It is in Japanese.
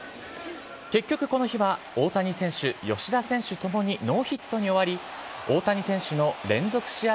結局、この日は大谷選手、吉田選手ともにノーヒットに終わり、大谷選手の連続試合